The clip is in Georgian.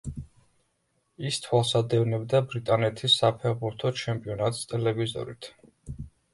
ის თვალს ადევნებდა ბრიტანეთის საფეხბურთო ჩემპიონატს ტელევიზორით.